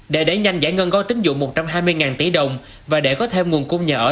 để đẩy nhanh giải ngân gói tính dụng một trăm hai mươi tỷ đồng và để có thêm nguồn cung nhà ở